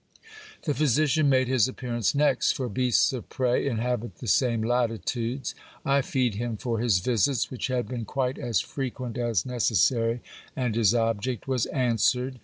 The physician made his appearance next ; for beasts of prey inhabit the same latitudes. I fee'd him for his visits, which had been quite as frequent as neces sary, and his object was answered.